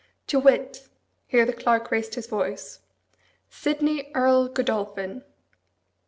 "To wit " Here the Clerk raised his voice. "Sidney Earl Godolphin."